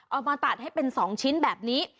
เอามาตัดให้เป็น๒ชิ้นแบบนี้